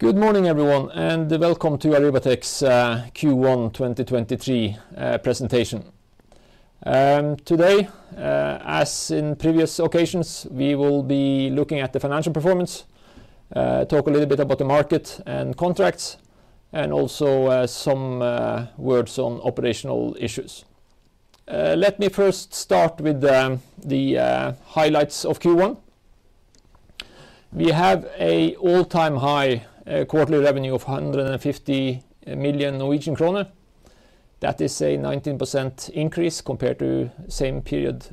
Good morning, everyone, and welcome to Arribatec's Q1 2023 presentation. Today, as in previous occasions, we will be looking at the financial performance, talk a little bit about the market and contracts, and also some words on operational issues. Let me first start with the highlights of Q1. We have a all-time high quarterly revenue of 150 million Norwegian kroner. That is a 19% increase compared to same period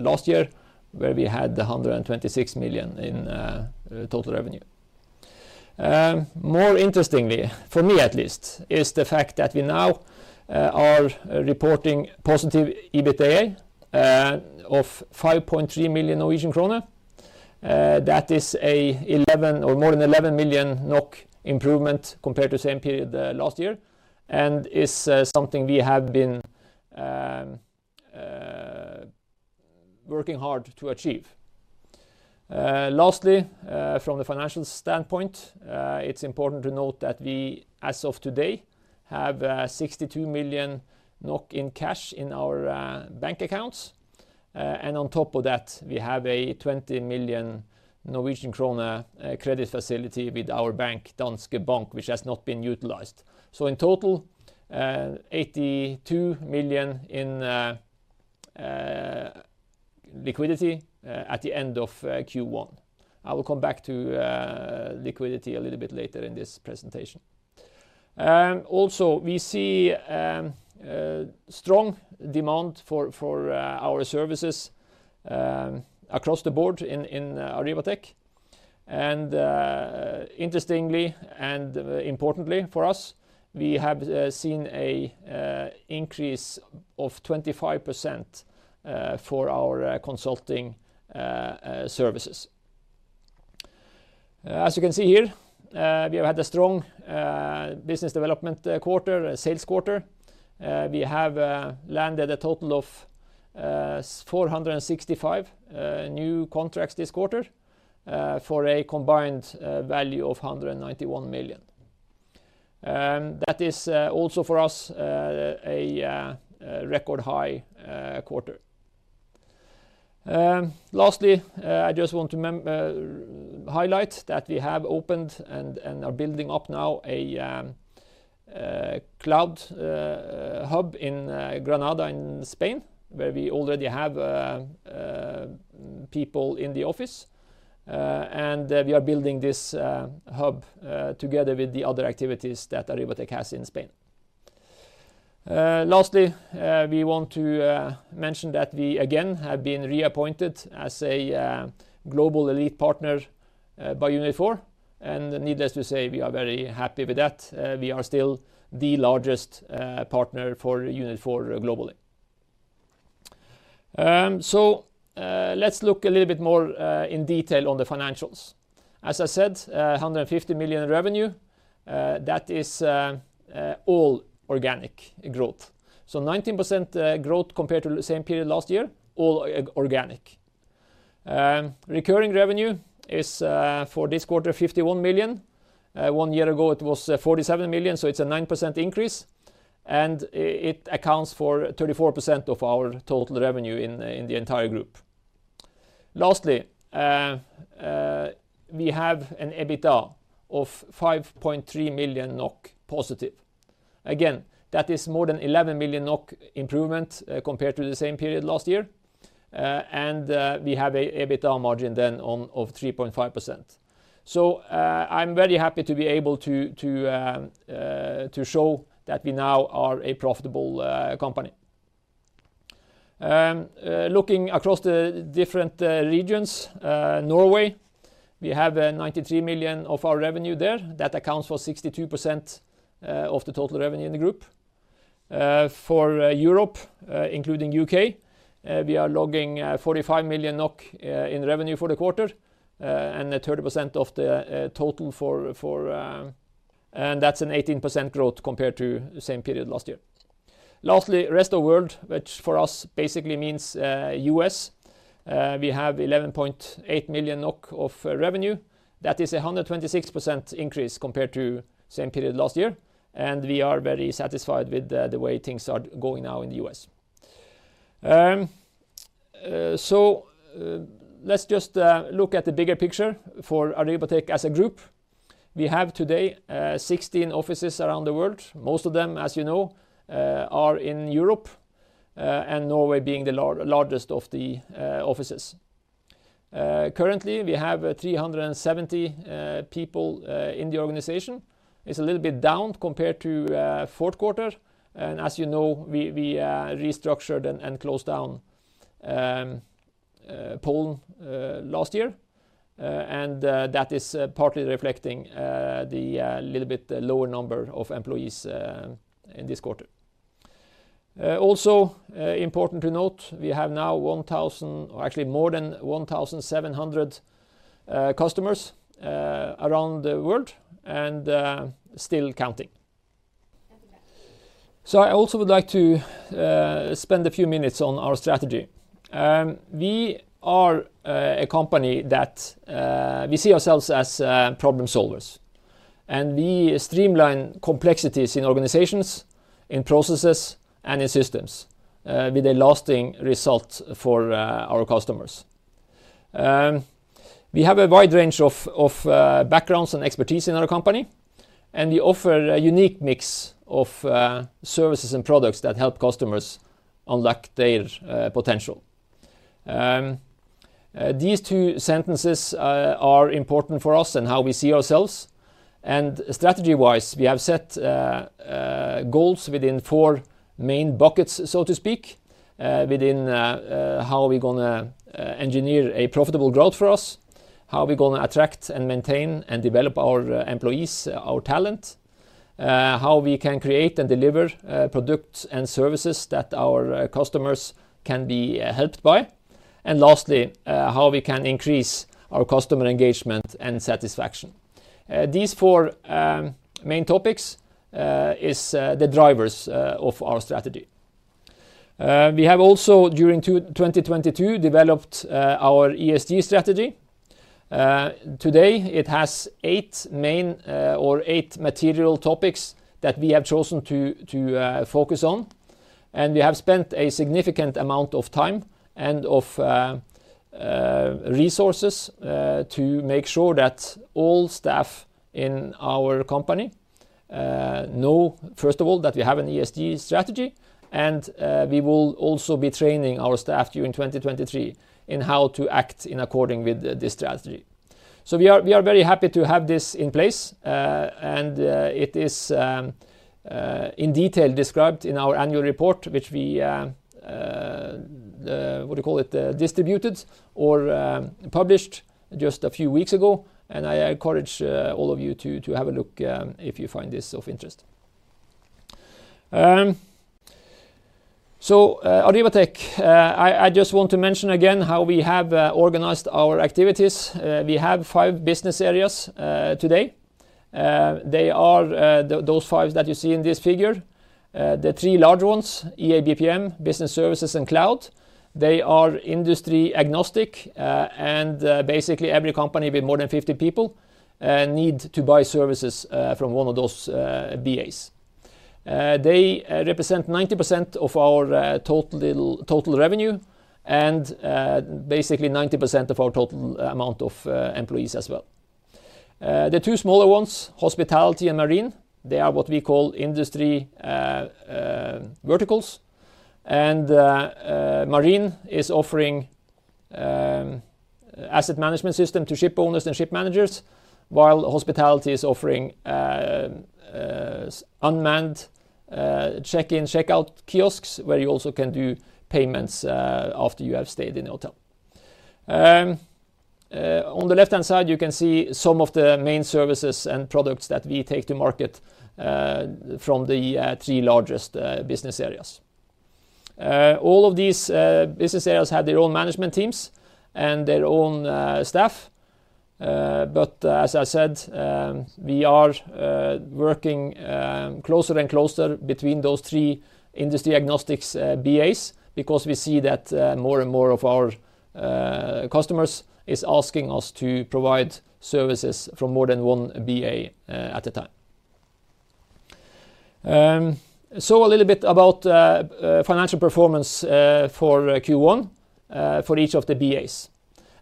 last year, where we had 126 million in total revenue. More interestingly, for me at least, is the fact that we now are reporting positive EBITDA of 5.3 million Norwegian kroner. That is a 11 or more than 11 million NOK improvement compared to the same period last year and is something we have been working hard to achieve. Lastly, from the financial standpoint, it's important to note that we, as of today, have 62 million NOK in cash in our bank accounts. On top of that, we have a 20 million Norwegian krone credit facility with our bank, Danske Bank, which has not been utilized. In total, 82 million in liquidity at the end of Q1. I will come back to liquidity a little bit later in this presentation. Also we see strong demand for our services across the board in Arribatec. Interestingly and importantly for us, we have seen a increase of 25% for our consulting services. As you can see here, we have had a strong business development quarter, a sales quarter. We have landed a total of 465 new contracts this quarter for a combined value of 191 million. That is also for us, a record high quarter. Lastly, I just want to highlight that we have opened and are building up now a Cloud hub in Granada in Spain, where we already have people in the office. We are building this hub together with the other activities that Arribatec has in Spain. Lastly, we want to mention that we again have been reappointed as a global elite partner by Unit4. Needless to say, we are very happy with that. We are still the largest partner for Unit4 globally. Let's look a little bit more in detail on the financials. As I said, 150 million in revenue, that is all organic growth, 19% growth compared to the same period last year, all organic. Recurring revenue is for this quarter, 51 million. One year ago, it was 47 million, so it's a 9% increase, and it accounts for 34% of our total revenue in the entire group. Lastly, we have an EBITDA of 5.3 million NOK positive. That is more than 11 million NOK improvement compared to the same period last year. We have a EBITDA margin then on of 3.5%. I'm very happy to be able to show that we now are a profitable company. Looking across the different regions, Norway, we have 93 million of our revenue there. That accounts for 62% of the total revenue in the group. For Europe, including UK, we are logging 45 million NOK in revenue for the quarter, and 30% of the total for. That's an 18% growth compared to the same period last year. Lastly, rest of world, which for us basically means U.S., we have 11.8 million NOK of revenue. That is a 126% increase compared to same period last year, we are very satisfied with the way things are going now in the U.S. Let's just look at the bigger picture for Arribatec as a group. We have today 16 offices around the world. Most of them, as you know, are in Europe, Norway being the largest of the offices. Currently, we have 370 people in the organization. It's a little bit down compared to fourth quarter, as you know, we restructured and closed down Poland last year. That is partly reflecting the little bit lower number of employees in this quarter. Also, important to note, we have now 1,000, or actually more than 1,700 customers around the world and still counting. I also would like to spend a few minutes on our strategy. We are a company that we see ourselves as problem solvers. We streamline complexities in organizations, in processes, and in systems with a lasting result for our customers. We have a wide range of backgrounds and expertise in our company, and we offer a unique mix of services and products that help customers unlock their potential. These two sentences are important for us and how we see ourselves. Strategy-wise, we have set goals within four main buckets, so to speak, within how are we gonna engineer a profitable growth for us, how are we gonna attract and maintain and develop our employees, our talent, how we can create and deliver products and services that our customers can be helped by, and lastly, how we can increase our customer engagement and satisfaction. These four main topics is the drivers of our strategy. We have also during 2022 developed our ESG strategy. Today it has eight main or eight material topics that we have chosen to focus on. We have spent a significant amount of time and of resources to make sure that all staff in our company know, first of all, that we have an ESG strategy, and we will also be training our staff during 2023 in how to act in according with the this strategy. We are very happy to have this in place, and it is in detail described in our annual report, which we, what do you call it, distributed or published just a few weeks ago. I encourage all of you to have a look if you find this of interest. Arribatec, I just want to mention again how we have organized our activities. We have five business areas today. Uh, they are, uh, those five that you see in this figure. Uh, the three large ones, EA-BPM, Business Services, and Cloud, they are industry agnostic, uh, and, uh, basically every company with more than fifty people, uh, need to buy services, uh, from one of those, uh, BAs. Uh, they, uh, represent ninety percent of our, uh, total, total revenue and, uh, basically ninety percent of our total amount of, uh, employees as well. Uh, the two smaller ones, Hospitality and Marine, they are what we call industry, uh, um, verticals. And, uh, uh, Marine is offering, um, asset management system to ship owners and ship managers, while Hospitality is offering, um, uh, unmanned, uh, check-in, check-out kiosks where you also can do payments, uh, after you have stayed in the hotel. On the left-hand side, you can see some of the main services and products that we take to market from the three largest business areas. All of these business areas have their own management teams and their own staff. As I said, we are working closer and closer between those three industry agnostics BAs because we see that more and more of our customers is asking us to provide services from more than one BA at a time. A little bit about financial performance for Q1 for each of the BAs.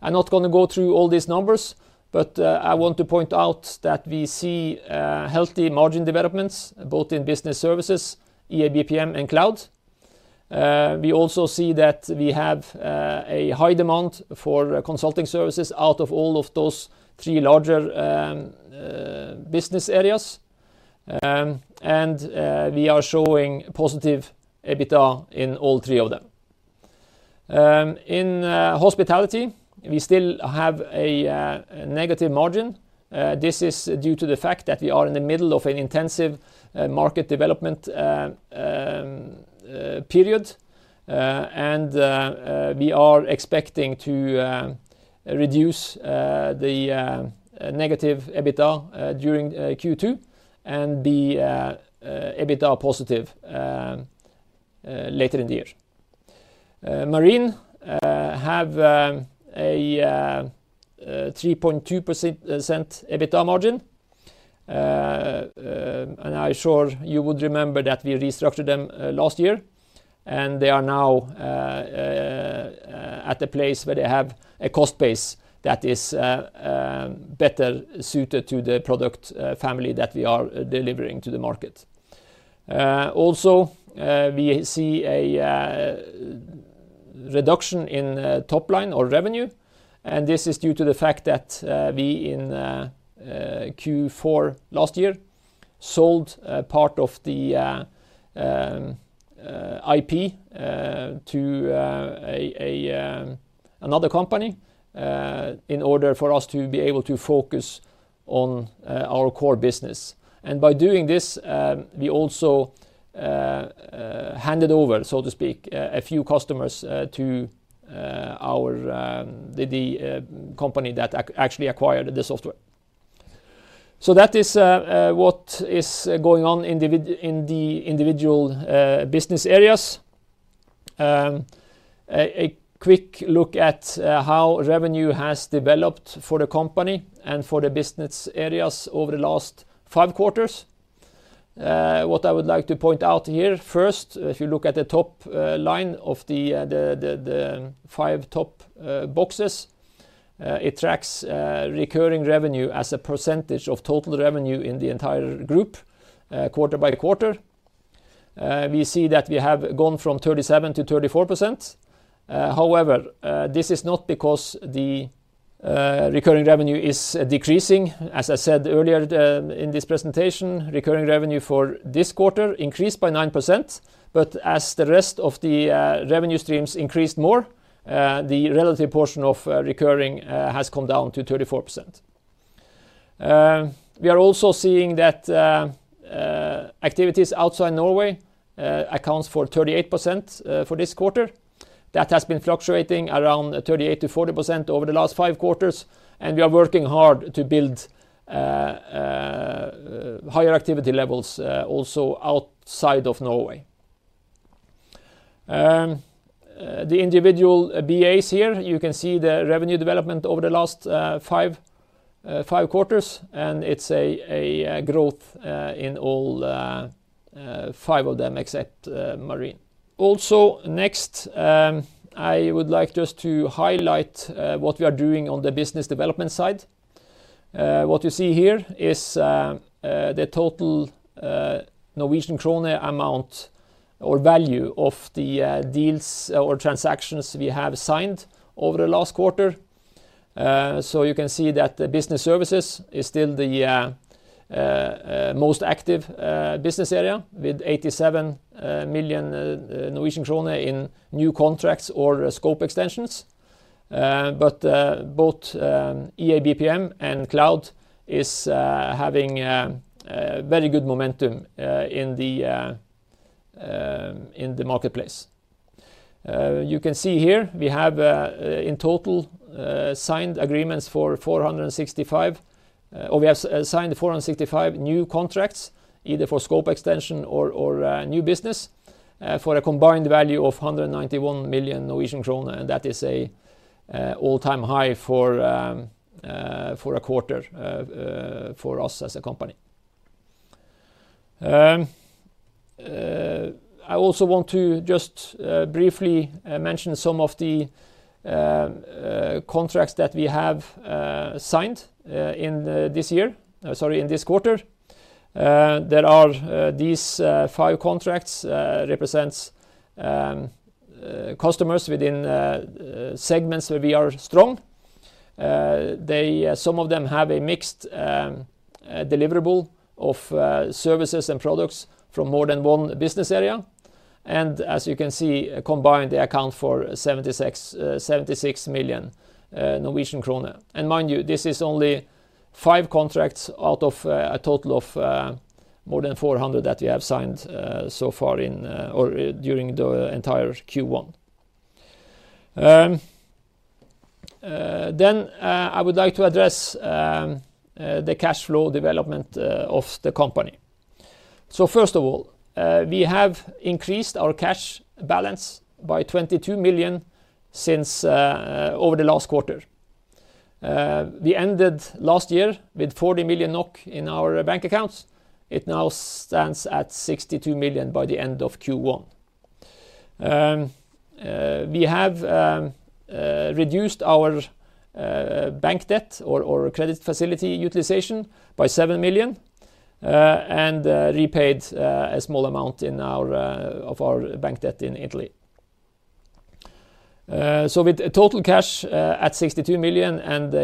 I'm not gonna go through all these numbers, but I want to point out that we see healthy margin developments both in Business Services, EA-BPM, and Cloud. We also see that we have a high demand for consulting services out of all of those three larger business areas. We are showing positive EBITDA in all three of them. In Hospitality, we still have a negative margin. This is due to the fact that we are in the middle of an intensive market development period. We are expecting to reduce the negative EBITDA during Q2 and be EBITDA positive later in the year. Marine have a 3.2% EBITDA margin. I sure you would remember that we restructured them last year, and they are now at a place where they have a cost base that is better suited to the product family that we are delivering to the market. Also, we see a reduction in top line or revenue. This is due to the fact that we in Q4 last year sold a part of the IP to another company in order for us to be able to focus on our core business. By doing this, we also handed over, so to speak, a few customers to our the company that actually acquired the software. So that is what is going on in the individual business areas. A quick look at how revenue has developed for the company and for the business areas over the last five quarters. What I would like to point out here first, if you look at the top line of the five top boxes, it tracks recurring revenue as a percentage of total revenue in the entire group quarter by quarter. We see that we have gone from 37% to 34%. However, this is not because the recurring revenue is decreasing. As I said earlier, in this presentation, recurring revenue for this quarter increased by 9%. As the rest of the revenue streams increased more, the relative portion of recurring has come down to 34%. We are also seeing that activities outside Norway accounts for 38% for this quarter. That has been fluctuating around 38%-40% over the last five quarters, and we are working hard to build higher activity levels also outside of Norway. The individual BAs here, you can see the revenue development over the last five quarters, and it's a growth in all five of them except Marine. Next, I would like just to highlight what we are doing on the business development side. What you see here is the total Norwegian krone amount or value of the deals or transactions we have signed over the last quarter. You can see that the Business Services is still the most active business area with 87 million Norwegian krone in new contracts or scope extensions. Both EA-BPM and Cloud is having a very good momentum in the marketplace. We have signed agreements for 465 new contracts, either for scope extension or new business, for a combined value of 191 million Norwegian kroner, and that is an all-time high for a quarter for us as a company. I also want to just briefly mention some of the contracts that we have signed in this quarter. These five contracts represent customers within segments where we are strong. They, some of them have a mixed deliverable of services and products from more than one business area As you can see, combined, they account for 76 million Norwegian krone. Mind you, this is only five contracts out of a total of more than 400 that we have signed so far in or during the entire Q1. I would like to address the cash flow development of the company. First of all, we have increased our cash balance by 22 million since over the last quarter. We ended last year with 40 million NOK in our bank accounts. It now stands at 62 million by the end of Q1. We have reduced our bank debt or credit facility utilization by 7 million and repaid a small amount in our of our bank debt in Italy. With total cash at 62 million and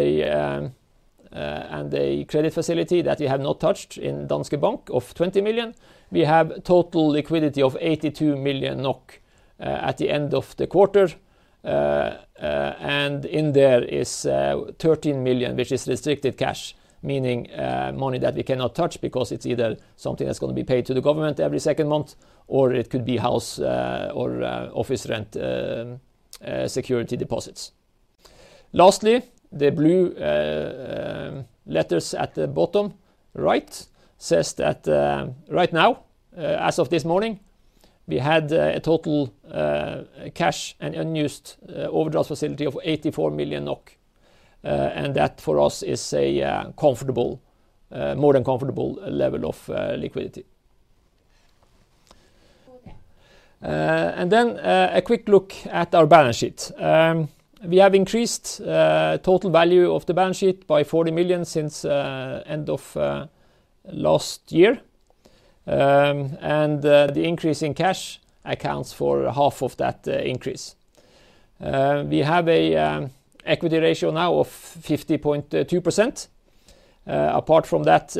a credit facility that we have not touched in Danske Bank of 20 million, we have total liquidity of 82 million NOK at the end of the quarter. In there is 13 million, which is restricted cash, meaning money that we cannot touch because it's either something that's gonna be paid to the government every second month, or it could be house or office rent security deposits. Lastly, the blue letters at the bottom right says that right now, as of this morning, we had a total cash and unused overdraft facility of 84 million NOK. That, for us, is a comfortable, more than comfortable level of liquidity. A quick look at our balance sheet. We have increased total value of the balance sheet by 40 million since end of last year. The increase in cash accounts for half of that increase. We have an equity ratio now of 50.2%. Apart from that,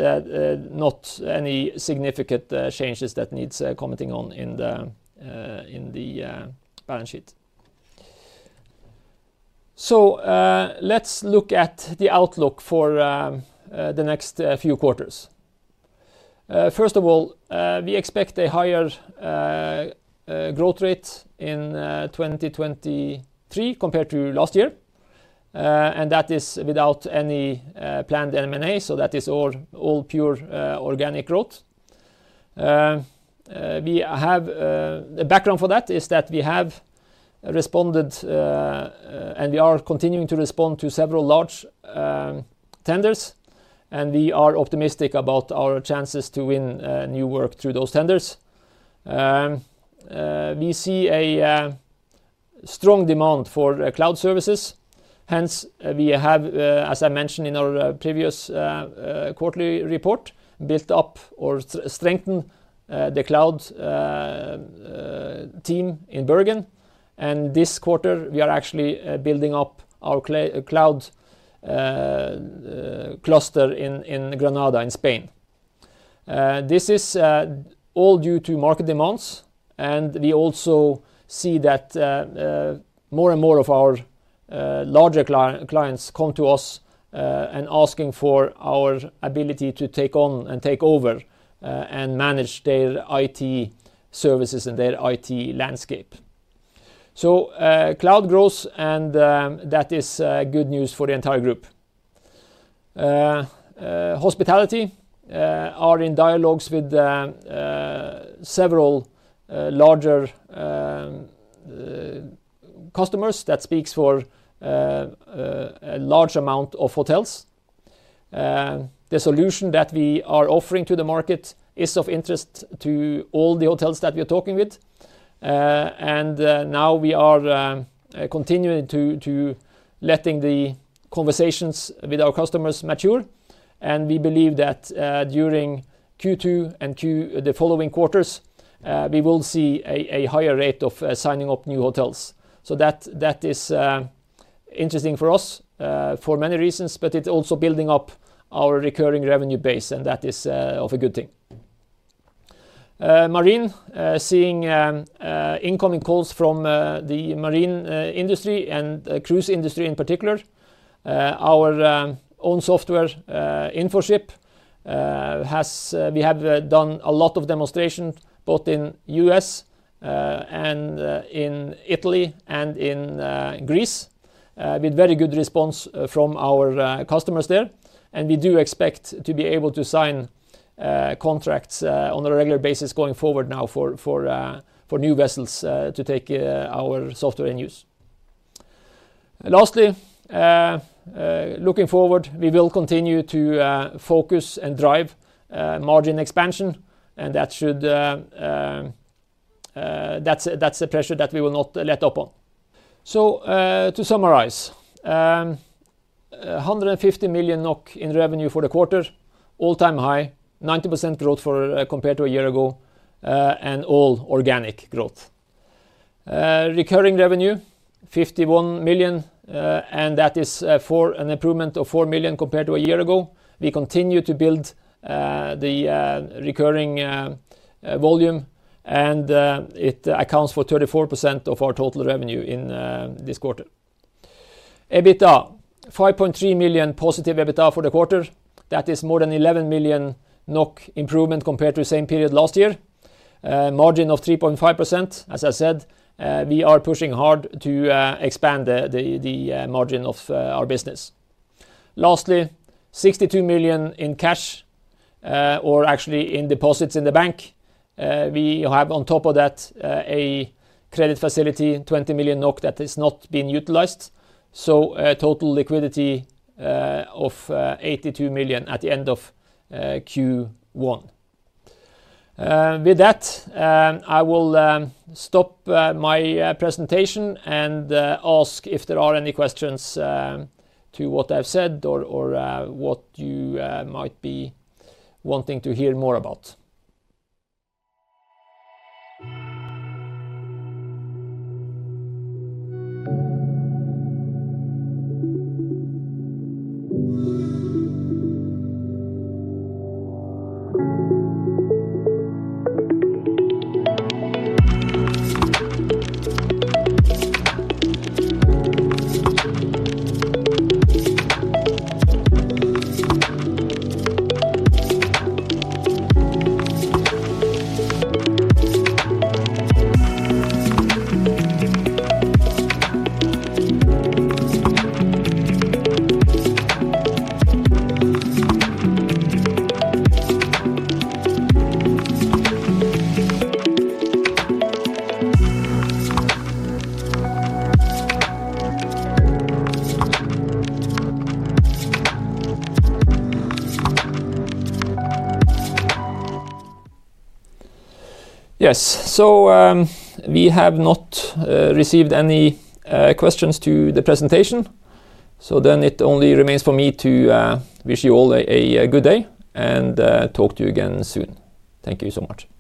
not any significant changes that needs commenting on in the balance sheet. Let's look at the outlook for the next few quarters. First of all, we expect a higher growth rate in 2023 compared to last year. That is without any planned M&A, that is all pure organic growth. The background for that is that we have responded, and we are continuing to respond to several large tenders, and we are optimistic about our chances to win new work through those tenders. We see a strong demand for cloud services, hence we have, as I mentioned in our previous quarterly report, built up or strengthened the cloud team in Bergen. This quarter, we are actually building up our cloud cluster in Granada in Spain. This is all due to market demands, and we also see that more and more of our larger clients come to us and asking for our ability to take on and take over and manage their IT services and their IT landscape. Cloud grows and that is good news for the entire group. Hospitality are in dialogues with several larger customers that speaks for a large amount of hotels. The solution that we are offering to the market is of interest to all the hotels that we're talking with. Now we are continuing to letting the conversations with our customers mature, and we believe that during Q2 and the following quarters, we will see a higher rate of signing up new hotels. That is interesting for us for many reasons, but it's also building up our recurring revenue base, and that is of a good thing. Marine, seeing incoming calls from the marine industry and cruise industry in particular. Our own software, Infoship, has we have done a lot of demonstrations both in U.S. and in Italy and in Greece with very good response from our customers there. We do expect to be able to sign contracts on a regular basis going forward now for new vessels to take our software in use. Lastly, looking forward, we will continue to focus and drive margin expansion, and that should that's the pressure that we will not let up on. To summarize, 150 million NOK in revenue for the quarter, all-time high, 19% growth compared to a year ago, and all organic growth. Recurring revenue, 51 million, and that is for an improvement of 4 million compared to a year ago. We continue to build the recurring volume, and it accounts for 34% of our total revenue in this quarter. EBITDA, 5.3 million positive EBITDA for the quarter. That is more than 11 million NOK improvement compared to the same period last year. Margin of 3.5%, as I said, we are pushing hard to expand the margin of our business. Lastly, 62 million in cash, or actually in deposits in the bank. We have on top of that, a credit facility, 20 million NOK that is not being utilized. Total liquidity of 82 million at the end of Q1. With that, I will stop my presentation and ask if there are any questions to what I've said or what you might be wanting to hear more about. We have not received any questions to the presentation. It only remains for me to wish you all a good day and talk to you again soon. Thank you so much.